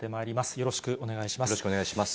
よろしくお願いします。